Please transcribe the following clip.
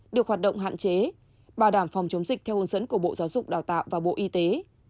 được hoạt động hạn chế bảo đảm phòng chống dịch theo hướng dẫn của bộ giáo dục đào tạo và bộ y tế